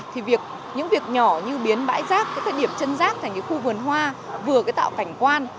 thì những việc nhỏ như biến bãi rác các điểm chân rác thành khu vườn hoa vừa tạo cảnh quan